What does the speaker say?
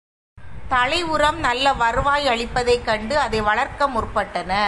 தழை உரம் நல்ல வருவாய் அளிப்பதைக் கண்டு அதை வளர்க்க முற்பட்டனர்.